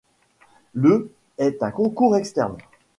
Le est un concours externe.